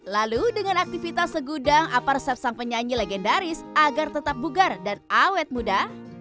lalu dengan aktivitas segudang aparsep sang penyanyi legendaris agar tetap bugar dan awet muda